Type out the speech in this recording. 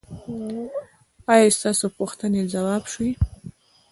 ایا ستاسو پوښتنې ځواب شوې؟